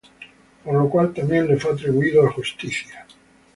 Por lo cual también le fué atribuído á justicia.